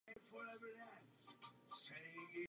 Pochopení a popis změny je základní snahou přírodních věd.